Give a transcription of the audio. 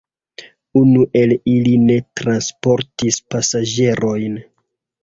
Unu el ili ne transportis pasaĝerojn.